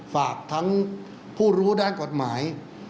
ฝากทั้งผู้รู้ด้านกฎหมาย